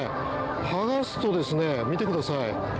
剥がすと、見てください。